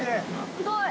◆すごい。